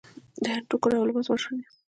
د هند ټوکر او لباس مشهور دی.